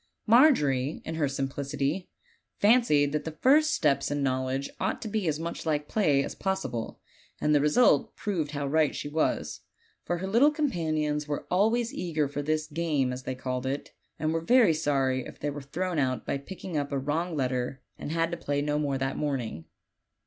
Margery, in her simplicity, fancied that the first steps in knowl edge ought to be as much like play as possible; and the result proved how right she was, for her little companions were always eager for this "game," as they called it, and were very sorry if they were thrown out by picking up a wrong letter, and had to play no more that morning.